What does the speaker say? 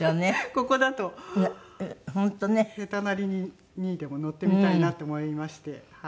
ここだと下手なりにでも乗ってみたいなって思いまして。